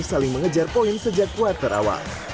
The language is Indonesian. saling mengejar poin sejak kuartal awal